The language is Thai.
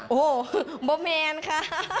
โอ้โฮบ้าแม่นค่ะ